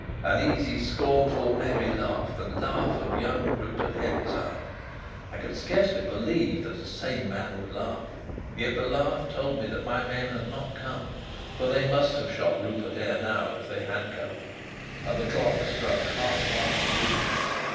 An easy, scornful, merry laugh the laugh of young Rupert Hentzau! I could scarcely believe that a sane man would laugh. Yet the laugh told me that my men had not come; for they must have shot Rupert ere now, if they had come. And the clock struck half past two!